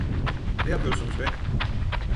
Ne yapıyorsunuz be!